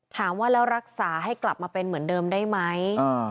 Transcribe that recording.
ถามว่าแล้วรักษาให้กลับมาเป็นเหมือนเดิมได้ไหม